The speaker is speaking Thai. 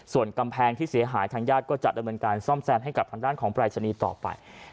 ส่วนกำแพงที่เสียหายทางญาติก็จะดำเนินการซ่อมแซมให้กับทางด้านของปรายศนีย์ต่อไป